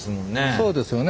そうですよね。